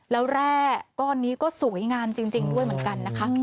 แล้วแร่ก้อนนี้ก็สวยงามจริงด้วยเหมือนกันนะคะ